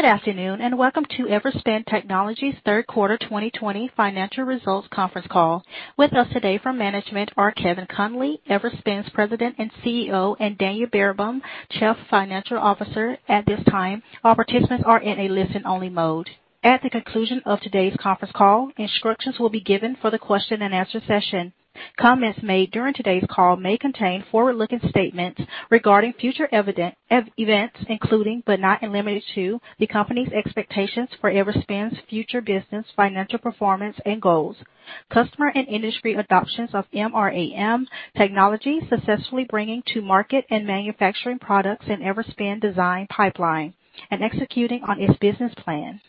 Good afternoon, and welcome to Everspin Technologies' third quarter 2020 financial results conference call. With us today from management are Kevin Conley, Everspin's President and CEO, and Daniel Berenbaum, Chief Financial Officer. Comments made during today's call may contain forward-looking statements regarding future events, including, but not limited to, the company's expectations for Everspin's future business, financial performance, and goals, customer and industry adoptions of MRAM technology, successfully bringing to market and manufacturing products in Everspin design pipeline, and executing on its business plans.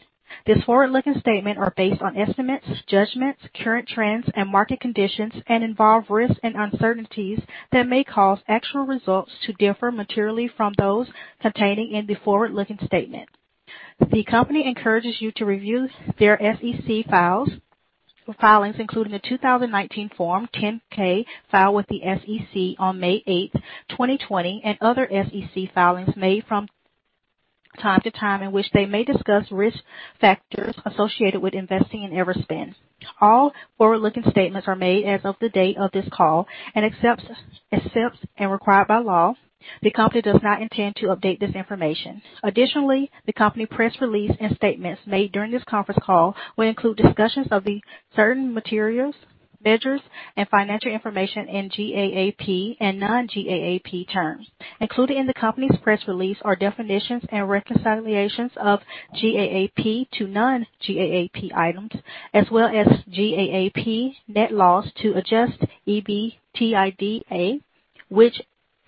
These forward-looking statements are based on estimates, judgments, current trends, and market conditions, and involve risks and uncertainties that may cause actual results to differ materially from those contained in the forward-looking statement. The company encourages you to review their SEC filings, including the 2019 Form 10-K filed with the SEC on May 8th, 2020, and other SEC filings made from time to time in which they may discuss risk factors associated with investing in Everspin. All forward-looking statements are made as of the date of this call, and except as required by law, the company does not intend to update this information. The company press release and statements made during this conference call will include discussions of certain measures and financial information in GAAP and non-GAAP terms. Included in the company's press release are definitions and reconciliations of GAAP to non-GAAP items, as well as GAAP net loss to adjusted EBITDA, which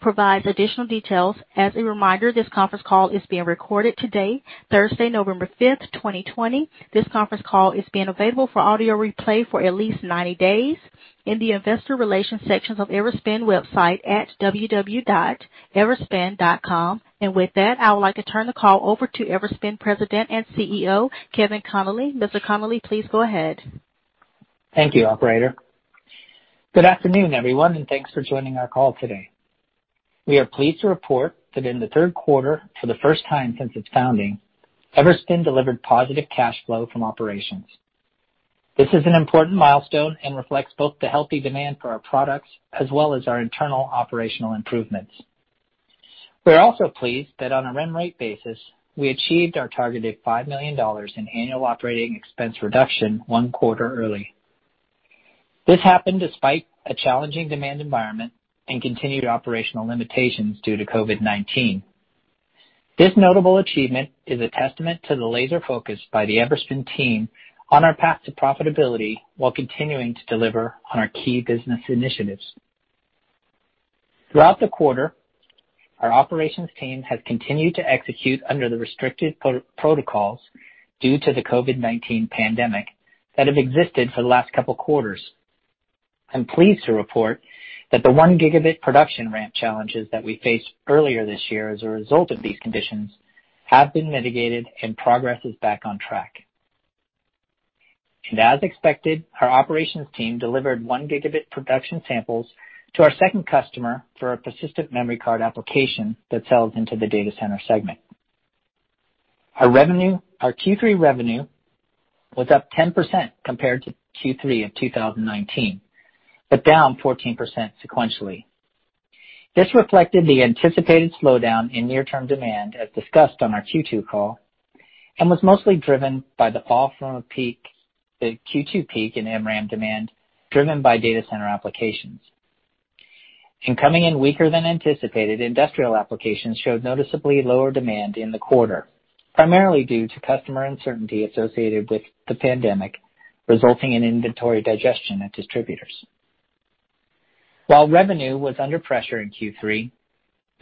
provides additional details. As a reminder, this conference call is being recorded today, Thursday, November 5th, 2020. This conference call is being available for audio replay for at least 90 days in the investor relations sections of Everspin website at www.everspin.com. With that, I would like to turn the call over to Everspin President and CEO, Kevin Conley. Mr. Conley, please go ahead. Thank you, operator. Good afternoon, everyone, and thanks for joining our call today. We are pleased to report that in the third quarter, for the first time since its founding, Everspin delivered positive cash flow from operations. This is an important milestone and reflects both the healthy demand for our products as well as our internal operational improvements. We are also pleased that on a run rate basis, we achieved our targeted $5 million in annual operating expense reduction one quarter early. This happened despite a challenging demand environment and continued operational limitations due to COVID-19. This notable achievement is a testament to the laser focus by the Everspin team on our path to profitability while continuing to deliver on our key business initiatives. Throughout the quarter, our operations team has continued to execute under the restricted protocols due to the COVID-19 pandemic that have existed for the last couple quarters. I'm pleased to report that the one gigabit production ramp challenges that we faced earlier this year as a result of these conditions have been mitigated and progress is back on track. As expected, our operations team delivered one gigabit production samples to our second customer for a persistent memory card application that sells into the data center segment. Our Q3 revenue was up 10% compared to Q3 of 2019, but down 14% sequentially. This reflected the anticipated slowdown in near-term demand as discussed on our Q2 call, and was mostly driven by the fall from the Q2 peak in MRAM demand driven by data center applications. Coming in weaker than anticipated, industrial applications showed noticeably lower demand in the quarter, primarily due to customer uncertainty associated with the pandemic, resulting in inventory digestion at distributors. While revenue was under pressure in Q3,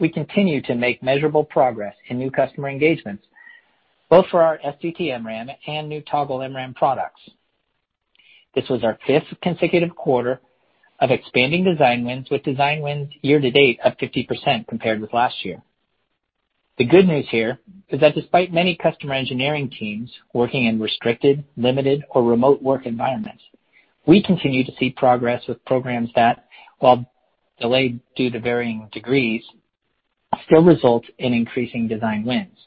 we continue to make measurable progress in new customer engagements, both for our STT-MRAM and new Toggle MRAM products. This was our fifth consecutive quarter of expanding design wins, with design wins year to date up 50% compared with last year. The good news here is that despite many customer engineering teams working in restricted, limited, or remote work environments, we continue to see progress with programs that, while delayed due to varying degrees, still result in increasing design wins.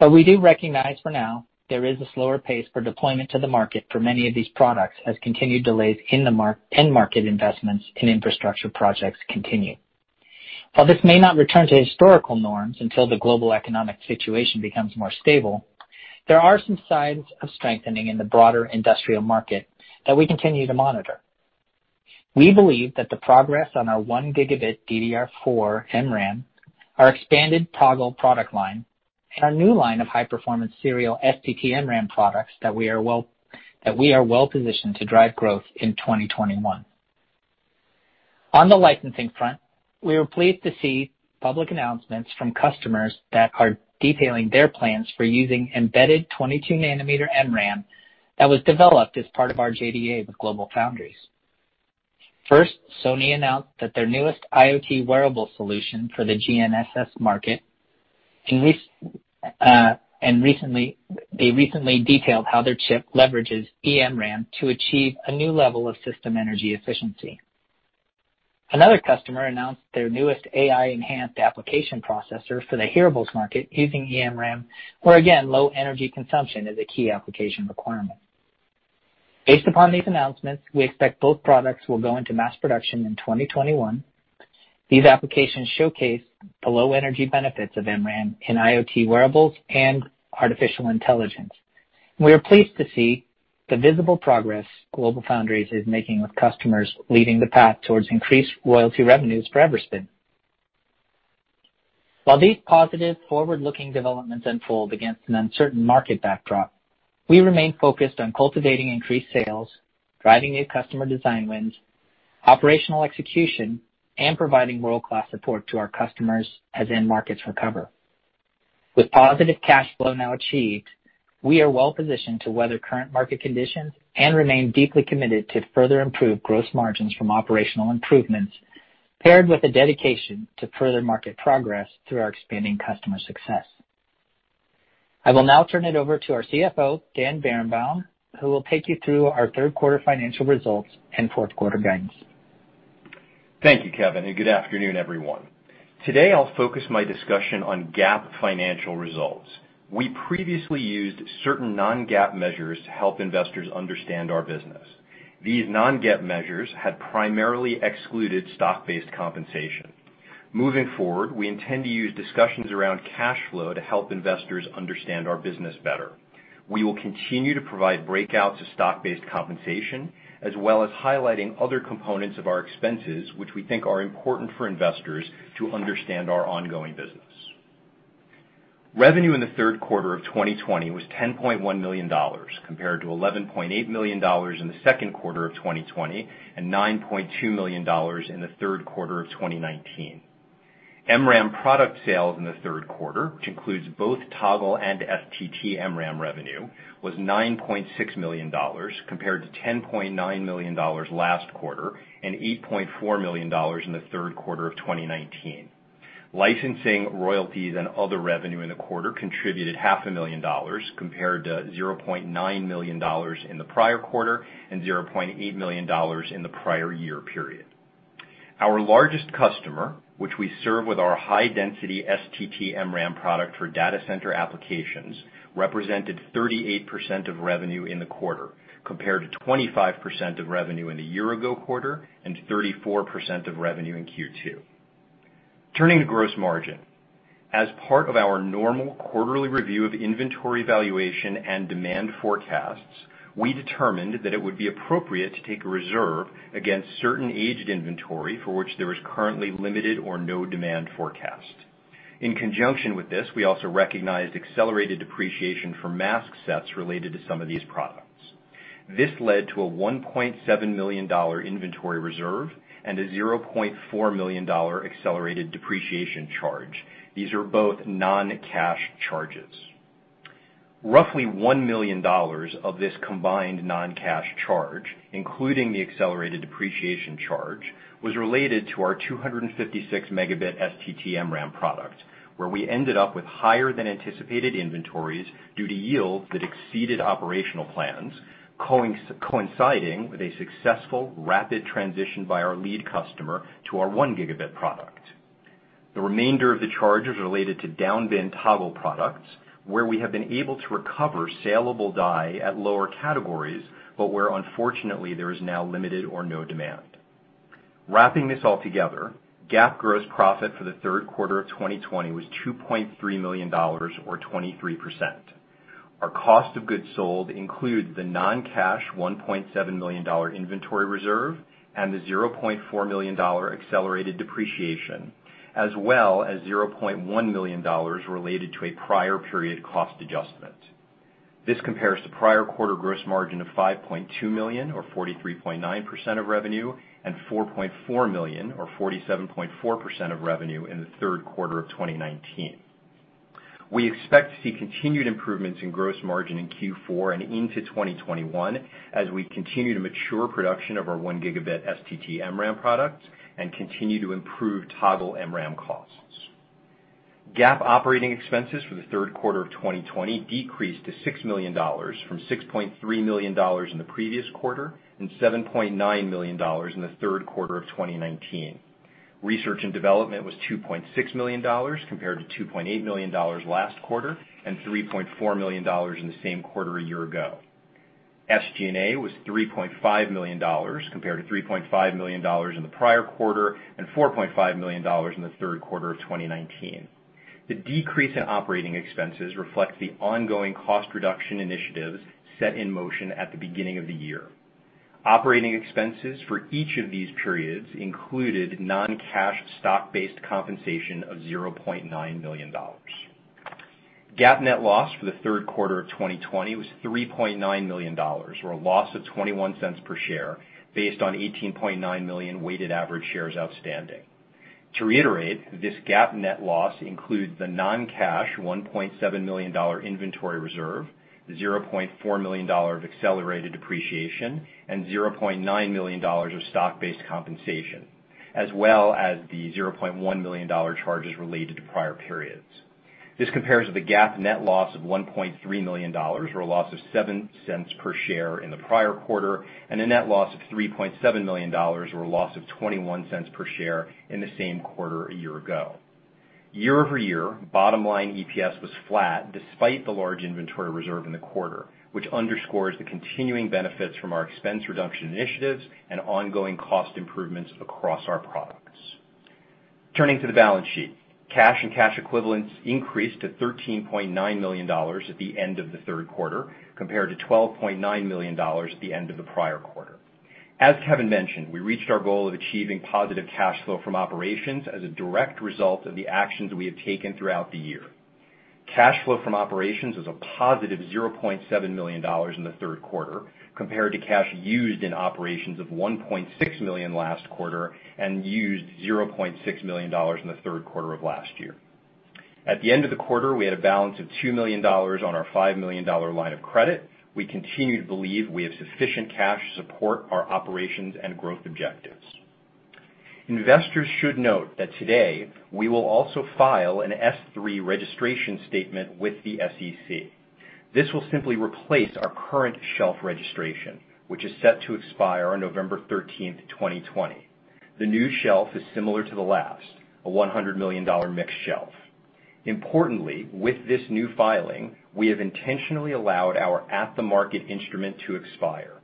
We do recognize for now there is a slower pace for deployment to the market for many of these products as continued delays in market investments in infrastructure projects continue. While this may not return to historical norms until the global economic situation becomes more stable, there are some signs of strengthening in the broader industrial market that we continue to monitor. We believe that the progress on our 1Gb DDR4 MRAM, our expanded Toggle MRAM product line, and our new line of high-performance serial STT-MRAM products, that we are well-positioned to drive growth in 2021. On the licensing front, we were pleased to see public announcements from customers that are detailing their plans for using embedded 22 nanometer MRAM that was developed as part of our JDA with GlobalFoundries. First, Sony announced that their newest IoT wearable solution for the GNSS market, and they recently detailed how their chip leverages eMRAM to achieve a new level of system energy efficiency. Another customer announced their newest AI-enhanced application processor for the hearables market using MRAM, where again, low energy consumption is a key application requirement. Based upon these announcements, we expect both products will go into mass production in 2021. These applications showcase the low energy benefits of MRAM in IoT wearables and artificial intelligence. We are pleased to see the visible progress GlobalFoundries is making with customers leading the path towards increased royalty revenues for Everspin. While these positive forward-looking developments unfold against an uncertain market backdrop, we remain focused on cultivating increased sales, driving new customer design wins, operational execution, and providing world-class support to our customers as end markets recover. With positive cash flow now achieved, we are well-positioned to weather current market conditions and remain deeply committed to further improve gross margins from operational improvements, paired with a dedication to further market progress through our expanding customer success. I will now turn it over to our CFO, Daniel Berenbaum, who will take you through our third quarter financial results and fourth quarter guidance. Thank you, Kevin, and good afternoon, everyone. Today, I'll focus my discussion on GAAP financial results. We previously used certain non-GAAP measures to help investors understand our business. These non-GAAP measures had primarily excluded stock-based compensation. Moving forward, we intend to use discussions around cash flow to help investors understand our business better. We will continue to provide breakouts of stock-based compensation, as well as highlighting other components of our expenses, which we think are important for investors to understand our ongoing business. Revenue in the third quarter of 2020 was $10.1 million, compared to $11.8 million in the second quarter of 2020, and $9.2 million in the third quarter of 2019. MRAM product sales in the third quarter, which includes both Toggle and STT-MRAM revenue, was $9.6 million, compared to $10.9 million last quarter and $8.4 million in the third quarter of 2019. Licensing, royalties, and other revenue in the quarter contributed half a million dollars, compared to $0.9 million in the prior quarter and $0.8 million in the prior year period. Our largest customer, which we serve with our high-density STT-MRAM product for data center applications, represented 38% of revenue in the quarter, compared to 25% of revenue in the year-ago quarter and 34% of revenue in Q2. Turning to gross margin. As part of our normal quarterly review of inventory valuation and demand forecasts, we determined that it would be appropriate to take a reserve against certain aged inventory for which there is currently limited or no demand forecast. In conjunction with this, we also recognized accelerated depreciation for mask sets related to some of these products. This led to a $1.7 million inventory reserve and a $0.4 million accelerated depreciation charge. These are both non-cash charges. Roughly $1 million of this combined non-cash charge, including the accelerated depreciation charge, was related to our 256Mb STT-MRAM product, where we ended up with higher than anticipated inventories due to yields that exceeded operational plans, coinciding with a successful rapid transition by our lead customer to our 1Gb product. The remainder of the charge is related to down-bin Toggle products, where we have been able to recover saleable die at lower categories, but where unfortunately there is now limited or no demand. Wrapping this all together, GAAP gross profit for the third quarter of 2020 was $2.3 million or 23%. Our cost of goods sold includes the non-cash $1.7 million inventory reserve and the $0.4 million accelerated depreciation, as well as $0.1 million related to a prior period cost adjustment. This compares to prior quarter gross margin of $5.2 million or 43.9% of revenue and $4.4 million or 47.4% of revenue in the third quarter of 2019. We expect to see continued improvements in gross margin in Q4 and into 2021 as we continue to mature production of our 1Gb STT-MRAM product and continue to improve Toggle MRAM costs. GAAP operating expenses for the third quarter of 2020 decreased to $6 million from $6.3 million in the previous quarter and $7.9 million in the third quarter of 2019. Research and development was $2.6 million compared to $2.8 million last quarter and $3.4 million in the same quarter a year ago. SG&A was $3.5 million compared to $3.5 million in the prior quarter and $4.5 million in the third quarter of 2019. The decrease in operating expenses reflects the ongoing cost reduction initiatives set in motion at the beginning of the year. Operating expenses for each of these periods included non-cash stock-based compensation of $0.9 million. GAAP net loss for the third quarter of 2020 was $3.9 million, or a loss of $0.21 per share based on 18.9 million weighted average shares outstanding. To reiterate, this GAAP net loss includes the non-cash $1.7 million inventory reserve, $0.4 million of accelerated depreciation, and $0.9 million of stock-based compensation, as well as the $0.1 million charges related to prior periods. This compares to the GAAP net loss of $1.3 million, or a loss of $0.07 per share in the prior quarter, and a net loss of $3.7 million, or a loss of $0.21 per share in the same quarter a year ago. Year-over-year, bottom-line EPS was flat despite the large inventory reserve in the quarter, which underscores the continuing benefits from our expense reduction initiatives and ongoing cost improvements across our products. Turning to the balance sheet. Cash and cash equivalents increased to $13.9 million at the end of the third quarter, compared to $12.9 million at the end of the prior quarter. As Kevin mentioned, we reached our goal of achieving positive cash flow from operations as a direct result of the actions we have taken throughout the year. Cash flow from operations is a positive $0.7 million in the third quarter, compared to cash used in operations of $1.6 million last quarter and used $0.6 million in the third quarter of last year. At the end of the quarter, we had a balance of $2 million on our $5 million line of credit. We continue to believe we have sufficient cash to support our operations and growth objectives. Investors should note that today we will also file a Form S-3 registration statement with the SEC. This will simply replace our current shelf registration, which is set to expire on November 13th, 2020. The new shelf is similar to the last, a $100 million mixed shelf. Importantly, with this new filing, we have intentionally allowed our at-the-market instrument to expire.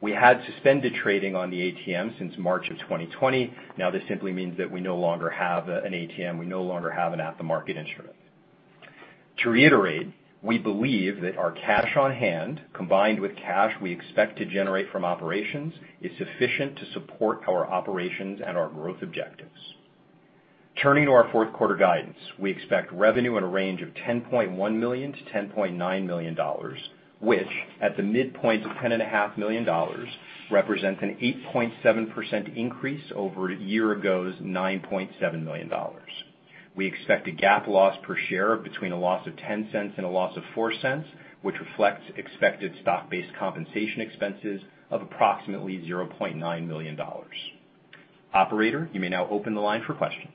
We had suspended trading on the ATM since March of 2020. Now this simply means that we no longer have an ATM, we no longer have an at-the-market instrument. To reiterate, we believe that our cash on hand, combined with cash we expect to generate from operations, is sufficient to support our operations and our growth objectives. Turning to our fourth-quarter guidance. We expect revenue in a range of $10.1 million-$10.9 million, which, at the midpoint of $10.5 million, represents an 8.7% increase over a year ago's $9.7 million. We expect a GAAP loss per share of between a loss of $0.10 and a loss of $0.04, which reflects expected stock-based compensation expenses of approximately $0.9 million. Operator, you may now open the line for questions.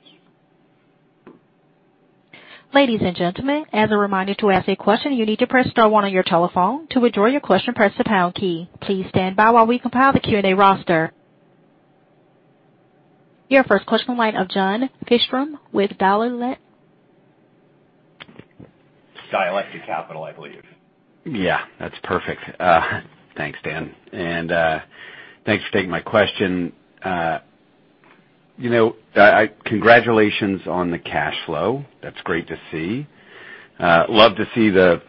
Your first question, line of John Fichthorn with Dialectic Capital. Dialectic Capital, I believe. Yeah. That's perfect. Thanks, Dan, and thanks for taking my question. Congratulations on the cash flow. That's great to see. Love to see the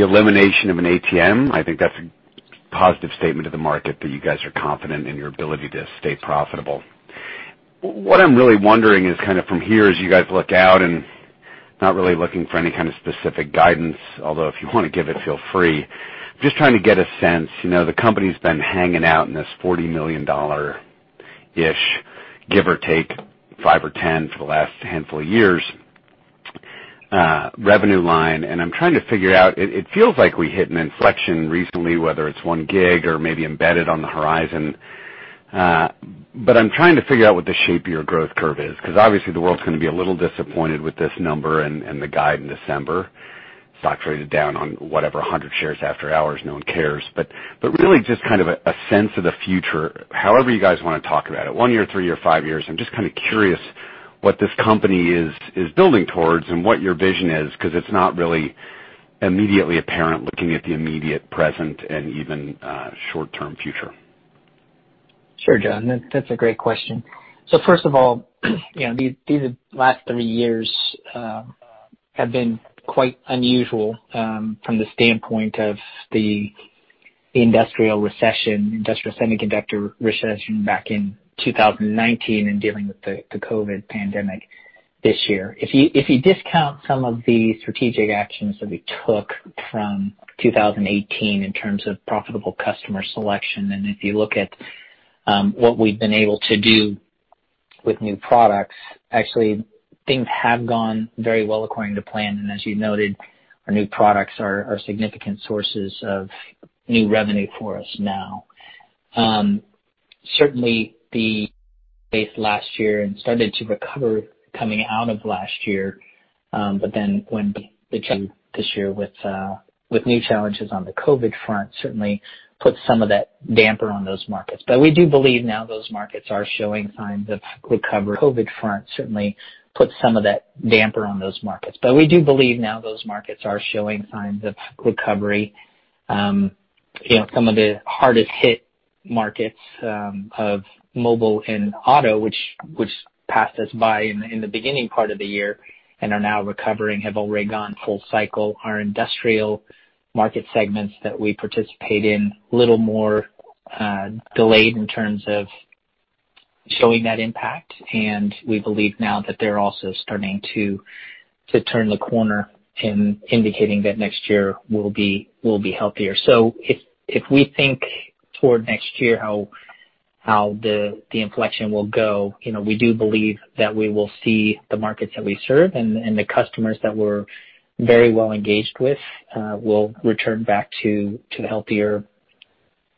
elimination of an ATM. I think that's a positive statement to the market that you guys are confident in your ability to stay profitable. What I'm really wondering is kind of from here, as you guys look out and not really looking for any kind of specific guidance, although if you want to give it, feel free. Just trying to get a sense. The company's been hanging out in this $40 million-ish, give or take $5 or $10 for the last handful of years revenue line, and I'm trying to figure out, it feels like we hit an inflection recently, whether it's one gig or maybe on the horizon. I'm trying to figure out what the shape of your growth curve is, because obviously the world's going to be a little disappointed with this number and the guide in December. Stock traded down on whatever, 100 shares after hours, no one cares. Really just kind of a sense of the future, however you guys want to talk about it, one year, three year, five years. I'm just kind of curious what this company is building towards and what your vision is, because it's not really immediately apparent looking at the immediate present and even short-term future. Sure, John, that's a great question. These last three years have been quite unusual from the standpoint of the industrial recession, industrial semiconductor recession back in 2019 and dealing with the COVID pandemic this year. If you discount some of the strategic actions that we took from 2018 in terms of profitable customer selection, and if you look at what we've been able to do with new products, actually things have gone very well according to plan. As you noted, our new products are significant sources of new revenue for us now. Certainly the base last year and started to recover coming out of last year. When we came this year with new challenges on the COVID front, certainly put some of that damper on those markets. We do believe now those markets are showing signs of recovery. COVID front certainly put some of that damper on those markets. We do believe now those markets are showing signs of recovery. Some of the hardest hit markets of mobile and auto, which passed us by in the beginning part of the year and are now recovering, have already gone full cycle. Our industrial market segments that we participate in, little more delayed in terms of showing that impact, and we believe now that they're also starting to turn the corner in indicating that next year will be healthier. If we think toward next year how the inflection will go, we do believe that we will see the markets that we serve and the customers that we're very well engaged with will return back to healthier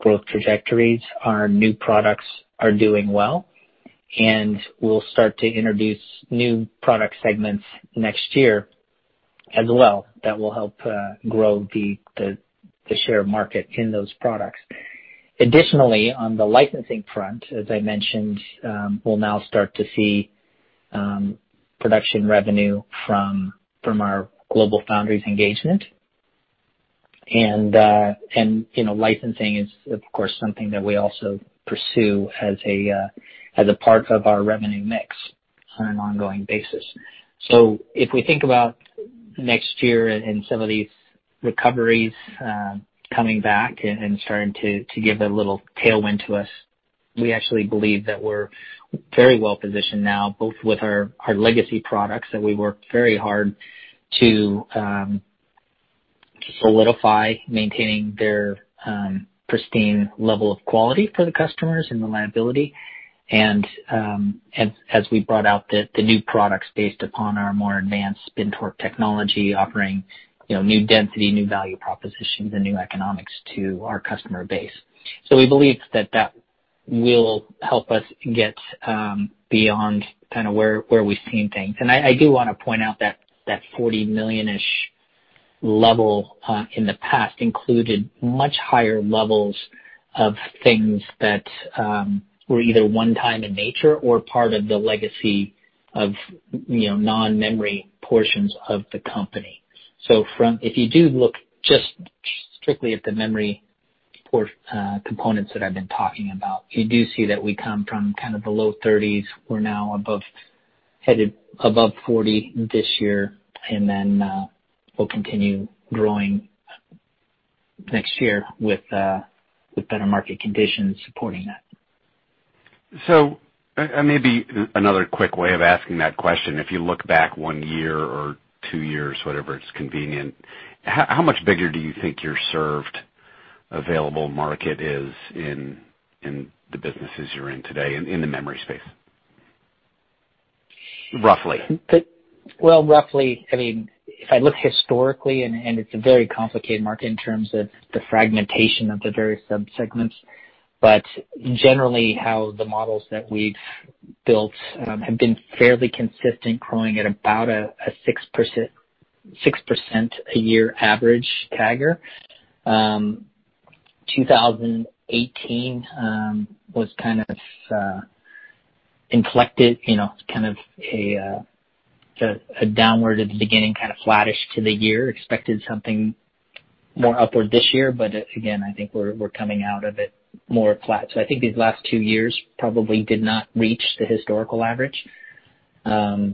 growth trajectories. Our new products are doing well, and we'll start to introduce new product segments next year as well. That will help grow the share of market in those products. Additionally, on the licensing front, as I mentioned, we'll now start to see production revenue from our GlobalFoundries engagement. Licensing is, of course, something that we also pursue as a part of our revenue mix on an ongoing basis. If we think about next year and some of these recoveries coming back and starting to give a little tailwind to us, we actually believe that we're very well-positioned now, both with our legacy products that we worked very hard to solidify, maintaining their pristine level of quality for the customers and reliability. As we brought out the new products based upon our more advanced Spin-Torque technology offering new density, new value propositions, and new economics to our customer base. We believe that that will help us get beyond where we've seen things. I do want to point out that $40 million-ish level in the past included much higher levels of things that were either one time in nature or part of the legacy of non-memory portions of the company. If you do look just strictly at the memory components that I've been talking about, you do see that we come from the low $30s. We're now headed above $40 this year, and then we'll continue growing next year with better market conditions supporting that. Maybe another quick way of asking that question. If you look back one year or two years, whatever is convenient, how much bigger do you think your served available market is in the businesses you're in today in the memory space? Roughly. Well, roughly, if I look historically, and it's a very complicated market in terms of the fragmentation of the various subsegments, but generally how the models that we've built have been fairly consistent, growing at about a 6% a year average CAGR. 2018 was kind of inflected, kind of a downward at the beginning, kind of flattish to the year, expected something more upward this year. Again, I think we're coming out of it more flat. I think these last two years probably did not reach the historical average. I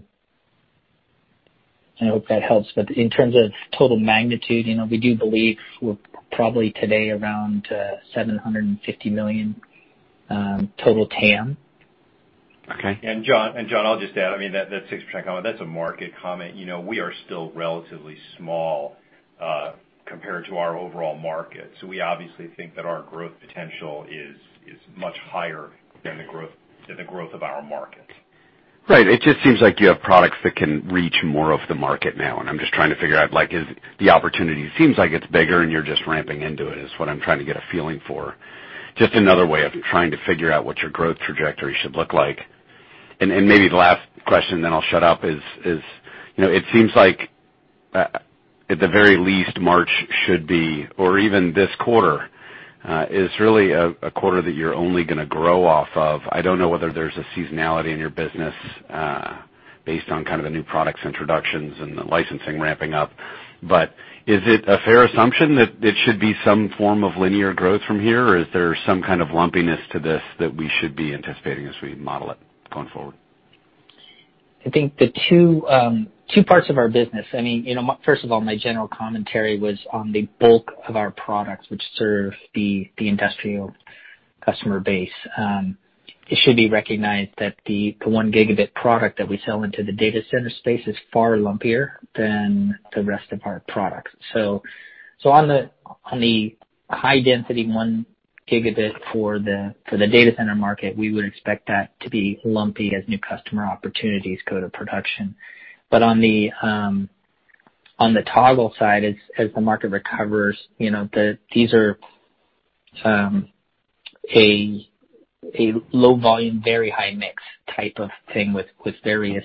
hope that helps. In terms of total magnitude, we do believe we're probably today around $750 million total TAM. Okay. John, I'll just add, that 6% comment, that's a market comment. We are still relatively small compared to our overall market, we obviously think that our growth potential is much higher than the growth of our market. Right. It just seems like you have products that can reach more of the market now. I'm just trying to figure out, the opportunity seems like it's bigger and you're just ramping into it, is what I'm trying to get a feeling for. Just another way of trying to figure out what your growth trajectory should look like. Maybe the last question, then I'll shut up, is it seems like at the very least, March should be, or even this quarter, is really a quarter that you're only going to grow off of. I don't know whether there's a seasonality in your business based on kind of the new products introductions and the licensing ramping up. Is it a fair assumption that it should be some form of linear growth from here, or is there some kind of lumpiness to this that we should be anticipating as we model it going forward? I think the two parts of our business, first of all, my general commentary was on the bulk of our products, which serve the industrial customer base. It should be recognized that the 1Gb product that we sell into the data center is far lumpier than the rest of our products. On the high density 1Gb for the data center market, we would expect that to be lumpy as new customer opportunities go to production. On the Toggle side as the market recovers, these are a low volume, very high mix type of thing with various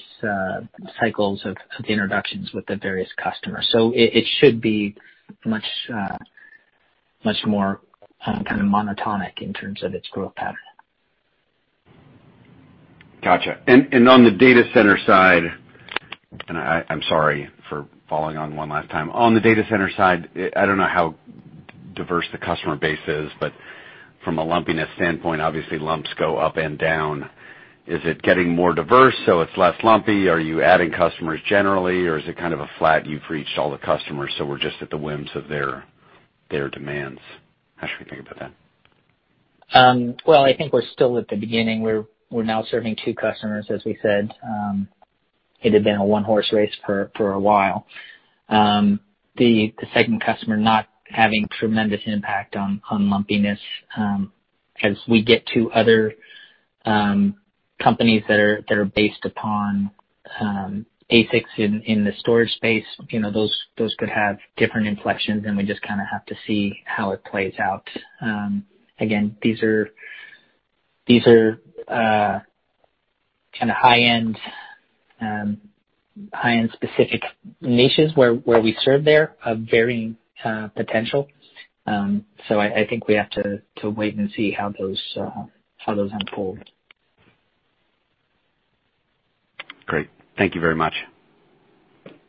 cycles of the introductions with the various customers. It should be much more kind of monotonic in terms of its growth pattern. Got you. On the data center side, and I'm sorry for following on one last time. On the data center side, I don't know how diverse the customer base is, but from a lumpiness standpoint, obviously lumps go up and down. Is it getting more diverse so it's less lumpy? Are you adding customers generally, or is it kind of a flat, you've reached all the customers, so we're just at the whims of their demands? How should we think about that? Well, I think we're still at the beginning. We're now serving two customers, as we said. It had been a one-horse race for a while. The second customer not having tremendous impact on lumpiness. As we get to other companies that are based upon ASICs in the storage space, those could have different inflections, and we just have to see how it plays out. Again, these are high-end specific niches where we serve, they're of varying potential. I think we have to wait and see how those unfold. Great. Thank you very much.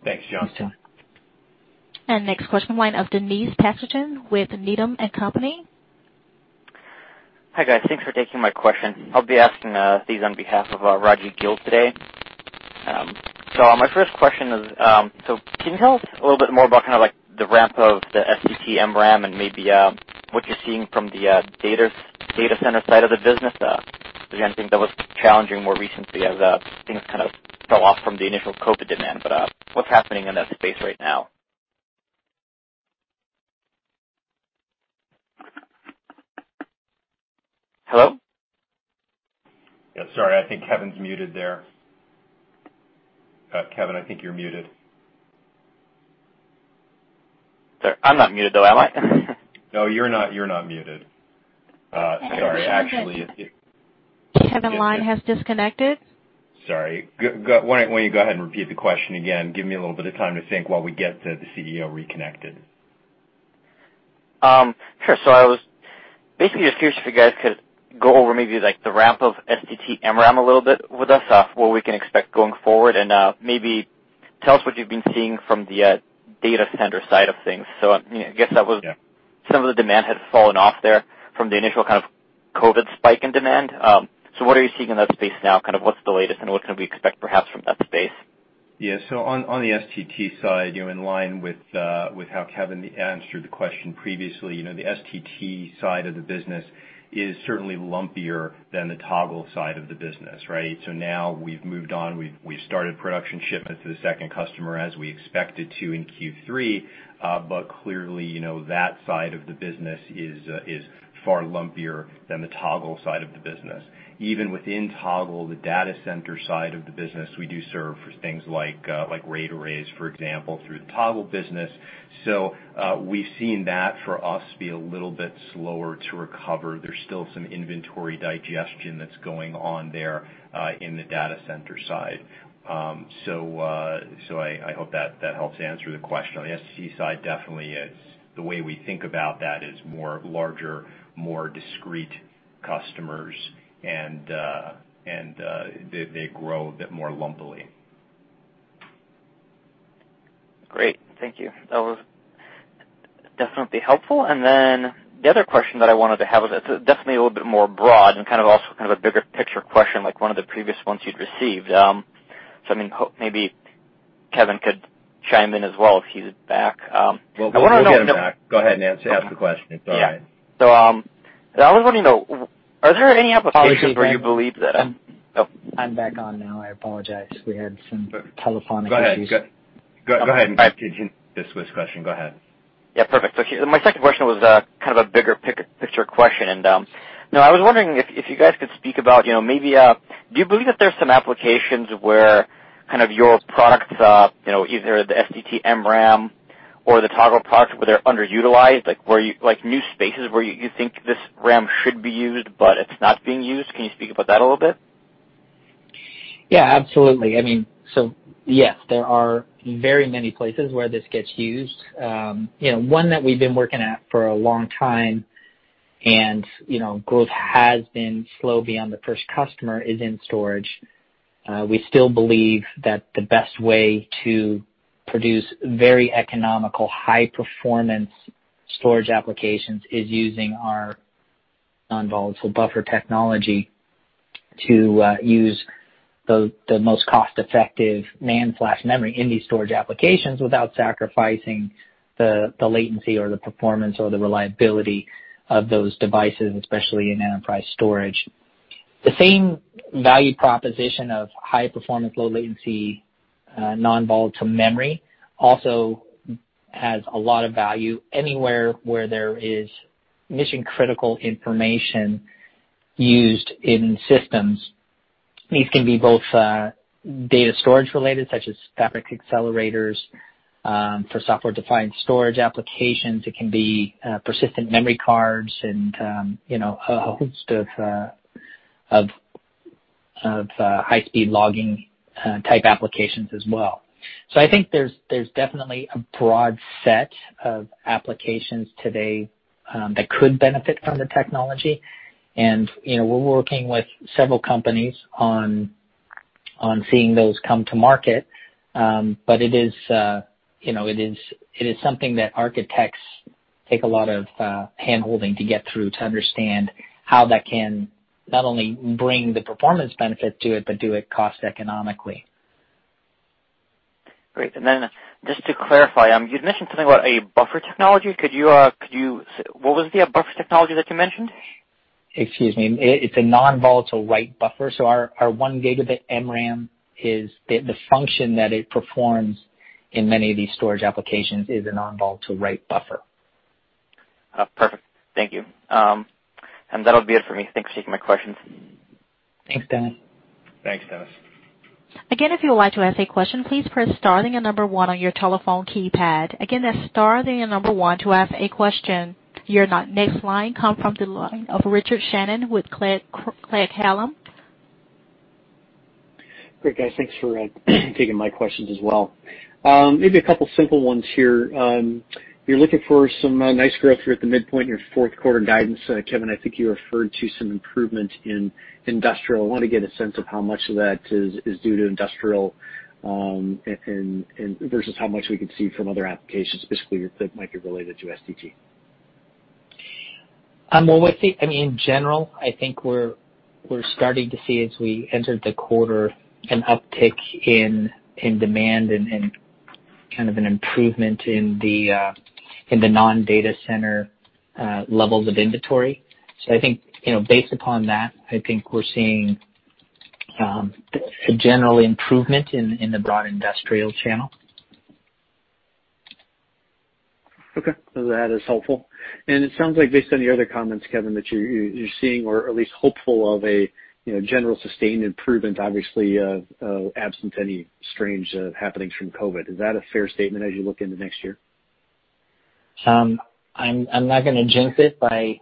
Thanks, John. Thanks, John. Next question, line of Denis Pyatchanin with Needham & Company. Hi, guys. Thanks for taking my question. I'll be asking these on behalf of Rajvindra Gill today. My first question is, can you tell us a little bit more about the ramp of the STT-MRAM and maybe what you're seeing from the data center side of the business? Again, I think that was challenging more recently as things fell off from the initial COVID demand. What's happening in that space right now? Hello? Yeah, sorry. I think Kevin's muted there. Kevin, I think you're muted. Sorry, I'm not muted, though, am I? No, you're not muted. Sorry. Kevin line has disconnected. Sorry. Why don't you go ahead and repeat the question again? Give me a little bit of time to think while we get the CEO reconnected. Sure. I was basically just curious if you guys could go over maybe the ramp of STT-MRAM a little bit with us, what we can expect going forward, and maybe tell us what you've been seeing from the data center side of things. Yeah. Some of the demand had fallen off there from the initial COVID spike in demand. What are you seeing in that space now? What's the latest, and what can we expect perhaps from that space? Yeah. On the STT side, in line with how Kevin answered the question previously, the STT side of the business is certainly lumpier than the Toggle side of the business, right? Now we've moved on. We've started production shipments to the second customer as we expected to in Q3. Clearly, that side of the business is far lumpier than the Toggle side of the business. Even within Toggle, the data center side of the business, we do serve for things like RAID arrays, for example, through the Toggle business. We've seen that for us be a little bit slower to recover. There's still some inventory digestion that's going on there, in the data center side. I hope that helps answer the question. On the STT side, definitely the way we think about that is more larger, more discrete customers, and they grow a bit more lumpily. Great. Thank you. That was definitely helpful. The other question that I wanted to have, it's definitely a little bit more broad and also kind of a bigger picture question like one of the previous ones you'd received. I mean, maybe Kevin could chime in as well if he's back. We'll get him back. Go ahead and ask the question. It's all right. Yeah. I was wondering though, are there any applications where you believe that? I'm back on now. I apologize. We had some telephonic issues. Go ahead and continue with this question. Go ahead. Yeah, perfect. My second question was a bigger picture question. I was wondering if you guys could speak about, do you believe that there's some applications where your products, either the STT-MRAM or the Toggle product, where they're underutilized, like new spaces where you think this RAM should be used but it's not being used? Can you speak about that a little bit? Yeah, absolutely. So yes, there are very many places where this gets used. One that we've been working at for a long time and growth has been slow beyond the first customer is in storage. We still believe that the best way to produce very economical, high performance storage applications is using our non-volatile buffer technology to use the most cost-effective NAND flash memory in these storage applications without sacrificing the latency or the performance or the reliability of those devices, especially in enterprise storage. The same value proposition of high performance, low latency, non-volatile memory also has a lot of value anywhere where there is mission critical information used in systems. These can be both data storage related, such as fabric accelerators, for software-defined storage applications. It can be persistent memory cards and a host of high-speed logging type applications as well. I think there's definitely a broad set of applications today that could benefit from the technology. We're working with several companies on seeing those come to market. It is something that architects take a lot of handholding to get through to understand how that can not only bring the performance benefit to it, but do it cost economically. Great. Then just to clarify, you'd mentioned something about a buffer technology. What was the buffer technology that you mentioned? Excuse me. It's a non-volatile write buffer. Our one gigabit MRAM, the function that it performs in many of these storage applications is a non-volatile write buffer. Perfect. Thank you. That'll be it for me. Thanks for taking my questions. Thanks, Denis. Thanks, Denis. Again, if you would like to ask a question, please press star then the number one on your telephone keypad. Again, that's star then the number one to ask a question. Your next line comes from the line of Richard Shannon with Craig-Hallum. Great, guys. Thanks for taking my questions as well. Maybe a couple of simple ones here. You're looking for some nice growth here at the midpoint in your fourth quarter guidance. Kevin, I think you referred to some improvement in industrial. I want to get a sense of how much of that is due to industrial versus how much we could see from other applications, specifically that might be related to STT. In general, I think we're starting to see as we entered the quarter, an uptick in demand and kind of an improvement in the non-data center levels of inventory. I think based upon that, I think we're seeing a general improvement in the broad industrial channel. Okay. That is helpful. It sounds like based on your other comments, Kevin, that you're seeing or at least hopeful of a general sustained improvement, obviously, absent any strange happenings from COVID. Is that a fair statement as you look into next year? I'm not going to jinx it by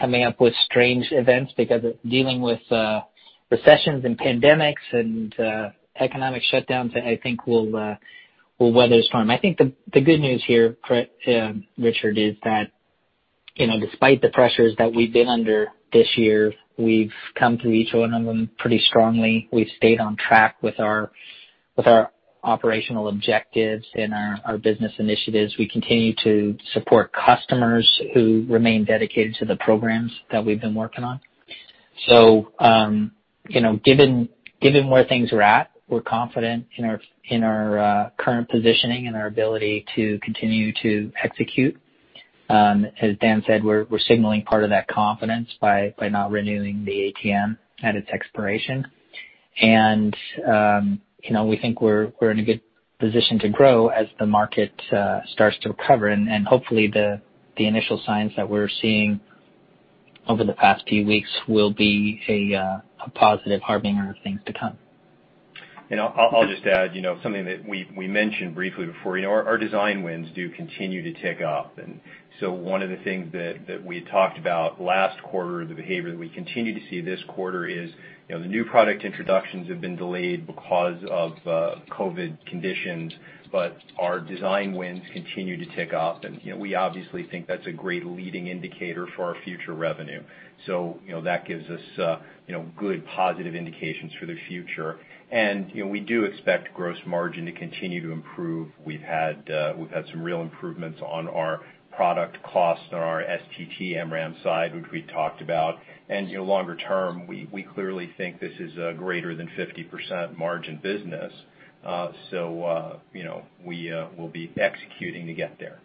coming up with strange events because dealing with recessions and pandemics and economic shutdowns, I think we'll weather the storm. I think the good news here, Richard, is that despite the pressures that we've been under this year, we've come through each one of them pretty strongly. We've stayed on track with our operational objectives and our business initiatives. We continue to support customers who remain dedicated to the programs that we've been working on. Given where things are at, we're confident in our current positioning and our ability to continue to execute. As Dan said, we're signaling part of that confidence by not renewing the ATM at its expiration. We think we're in a good position to grow as the market starts to recover. Hopefully the initial signs that we're seeing over the past few weeks will be a positive harbinger of things to come. I'll just add something that we mentioned briefly before. Our design wins do continue to tick up. One of the things that we talked about last quarter, the behavior that we continue to see this quarter is the new product introductions have been delayed because of COVID conditions, but our design wins continue to tick up. We obviously think that's a great leading indicator for our future revenue. That gives us good positive indications for the future. We do expect gross margin to continue to improve. We've had some real improvements on our product costs on our STT-MRAM side, which we talked about. Longer term, we clearly think this is a greater than 50% margin business. We will be executing to get there.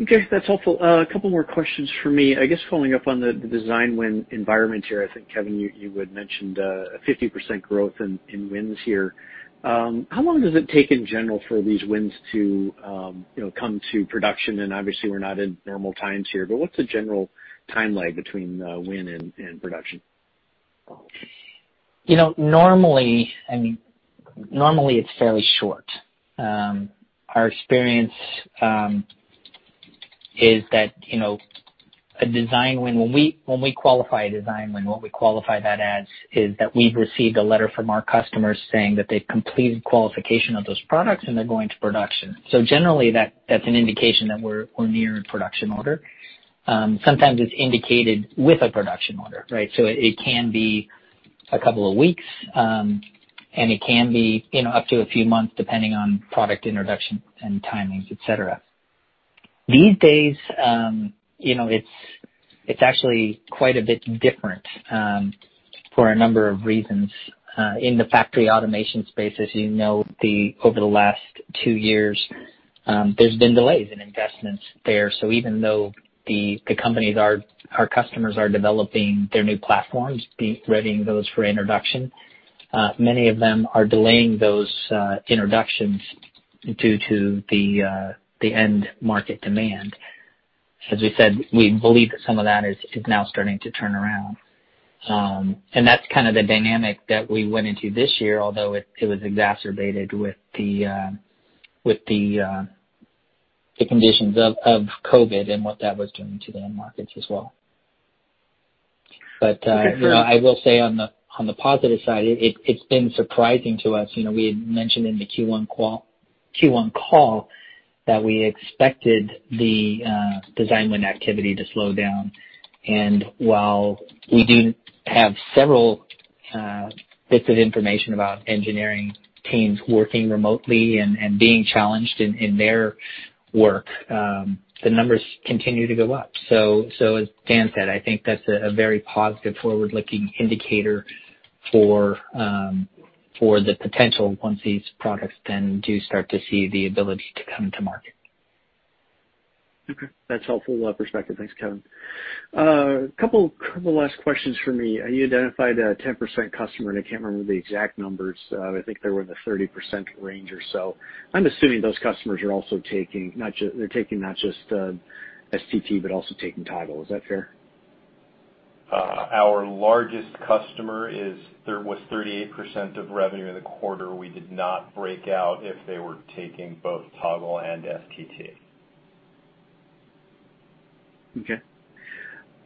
Okay. That's helpful. A couple more questions from me. I guess following up on the design win environment here, I think, Kevin, you had mentioned a 50% growth in wins here. How long does it take in general for these wins to come to production? Obviously, we're not in normal times here, but what's the general timeline between win and production? Normally it's fairly short. Our experience is that when we qualify a design win, what we qualify that as is that we've received a letter from our customers saying that they've completed qualification of those products and they're going to production. Generally, that's an indication that we're near a production order. Sometimes it's indicated with a production order, right? It can be a couple of weeks, and it can be up to a few months, depending on product introduction and timings, et cetera. These days, it's actually quite a bit different for a number of reasons. In the factory automation space, as you know, over the last two years, there's been delays in investments there. Even though the companies, our customers are developing their new platforms, readying those for introduction, many of them are delaying those introductions due to the end market demand. As we said, we believe that some of that is now starting to turn around. That's kind of the dynamic that we went into this year, although it was exacerbated with the conditions of COVID and what that was doing to the end markets as well. Okay I will say on the positive side, it's been surprising to us. We had mentioned in the Q1 call that we expected the design win activity to slow down. While we do have several bits of information about engineering teams working remotely and being challenged in their work, the numbers continue to go up. As Dan said, I think that's a very positive forward-looking indicator for the potential once these products then do start to see the ability to come to market. Okay. That's helpful perspective. Thanks, Kevin. Couple last questions from me. You identified a 10% customer, and I can't remember the exact numbers. I think they were in the 30% range or so. I'm assuming those customers are also taking not just STT, but also taking Toggle. Is that fair? Our largest customer was 38% of revenue in the quarter. We did not break out if they were taking both Toggle and STT. Okay.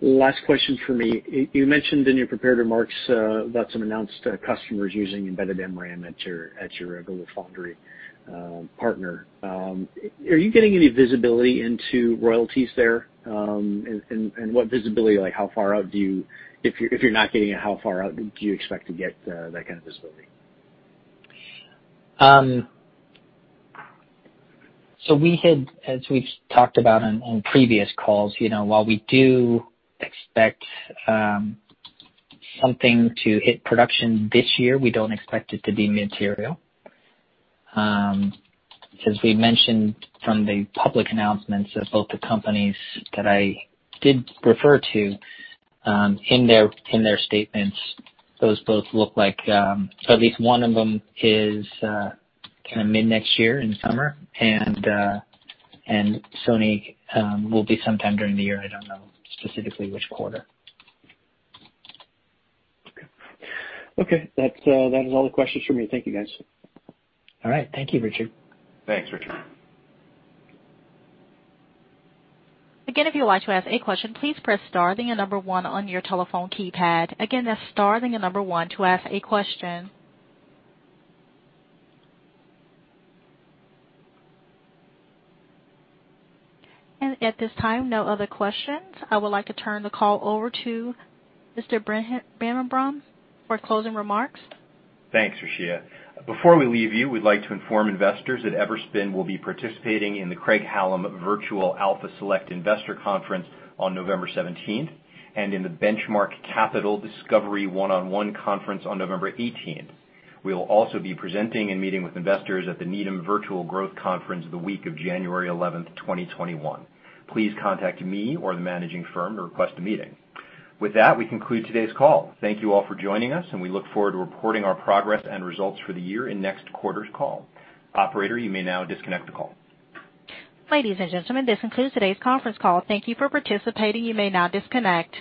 Last question from me. You mentioned in your prepared remarks about some announced customers using embedded MRAM at your Globaloundries partner. Are you getting any visibility into royalties there? What visibility, like how far out do you, if you're not getting it, how far out do you expect to get that kind of visibility? We had, as we've talked about on previous calls, while we do expect something to hit production this year, we don't expect it to be material. As we mentioned from the public announcements of both the companies that I did refer to in their statements, those both look like at least one of them is mid-next year in summer, and Sony will be sometime during the year. I don't know specifically which quarter. Okay. That is all the questions from me. Thank you, guys. All right. Thank you, Richard. Thanks, Richard. Again, if you would like to ask a question, please press star then the number one on your telephone keypad. Again, that's star then the number one to ask a question. At this time, no other questions. I would like to turn the call over to Mr. Daniel Berenbaum for closing remarks. Thanks, Richard. Before we leave you, we'd like to inform investors that Everspin will be participating in the Craig-Hallum Virtual Alpha Select Investor Conference on November 17th, and in The Benchmark Company Discovery One-on-One Conference on November 18th. We will also be presenting and meeting with investors at the Needham Virtual Growth Conference the week of January 11th, 2021. Please contact me or the managing firm to request a meeting. With that, we conclude today's call. Thank you all for joining us, and we look forward to reporting our progress and results for the year in next quarter's call. Operator, you may now disconnect the call. Ladies and gentlemen, this concludes today's conference call. Thank you for participating. You may now disconnect.